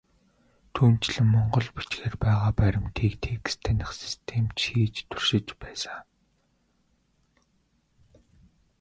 Түүнчлэн, монгол бичгээр байгаа баримтыг текст таних систем ч хийж туршиж байсан.